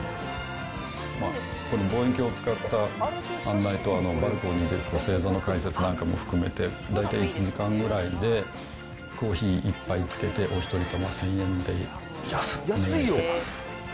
この望遠鏡を使った案内と、バルコニーで星座の解説なんかも含めて、大体１時間ぐらいでコーヒー１杯つけて、お１人様１０００円でお願いしています。